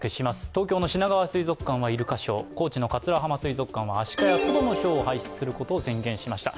東京のしながわ水族館はイルカショー、高知の桂浜水族館はアシカやトドのショーを廃止すると宣言しました。